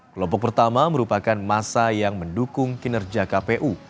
kelompok pertama merupakan masa yang mendukung kinerja kpu